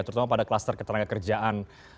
terutama pada kluster ketenaga kerjaan